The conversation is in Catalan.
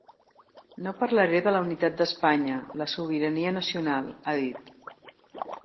No parlaré de la unitat d’Espanya, la sobirania nacional, ha dit.